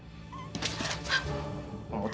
dia anak aku zed